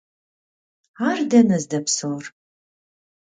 Ar dene zdepseur?